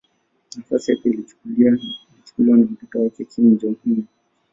Nafasi yake ilichukuliwa na mtoto wake Kim Jong-un.